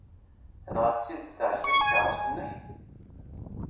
Dɣa s tidet teɛjeb-ak tkeṛṛust-nnek?